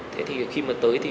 thế thì khi mà tới thì